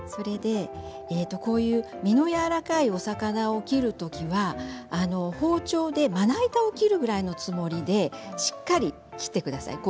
身のやわらかいお魚を切るときは包丁でまな板を切るぐらいのつもりでしっかり切ってください。